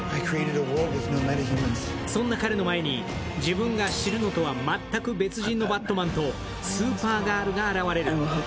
そんな彼の前に、自分が知るのとは全く別人のバットマンとスーパーガールが現れる。